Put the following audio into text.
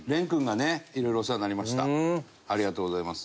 ありがとうございます。